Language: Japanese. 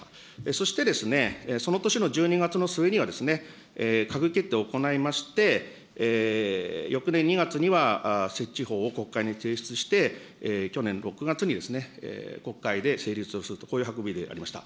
そしてその年の１２月の末には、閣議決定行いまして、翌年２月には設置法を国会に提出して、去年６月に国会で成立をすると、こういう運びでありました。